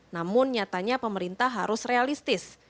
namun nyatanya pemerintah harus realistis